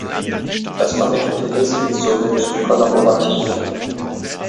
Das vermittelte Wissen ist somit kollaborativ.